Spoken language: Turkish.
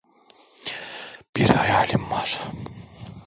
Bir hayalim var.